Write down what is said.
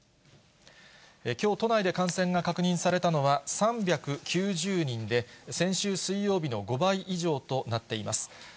きょう、都内で感染が確認されたのは３９０人で、先週水曜日の５倍以上となっています。